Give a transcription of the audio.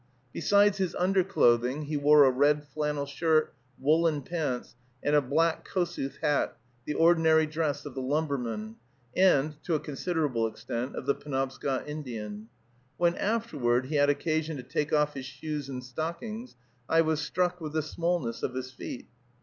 Besides his underclothing, he wore a red flannel shirt, woolen pants, and a black Kossuth hat, the ordinary dress of the lumberman, and, to a considerable extent, of the Penobscot Indian. When, afterward, he had occasion to take off his shoes and stockings, I was struck with the smallness of his feet.